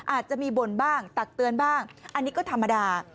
อาจจะมีบ่นบ้างตักเตือนบ้างอันนี้ก็ธรรมดา